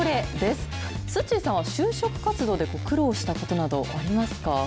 すっちーさんは就職活動で苦労したことなどありますか？